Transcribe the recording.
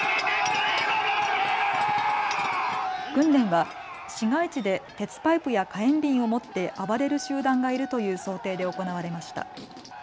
訓練は市街地で鉄パイプや火炎瓶を持って暴れる集団がいるという想定で行われました。